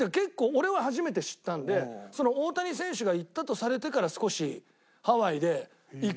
俺は初めて知ったので大谷選手が行ったとされてから少しハワイで「行こう行こう」みたいな。